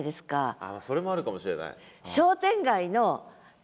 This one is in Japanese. ああそれもあるかもしれない。